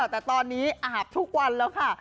แต่ตอนนี้อาบทุกวันแล้วค่ะ